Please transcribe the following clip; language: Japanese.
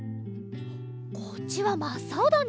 こっちはまっさおだね！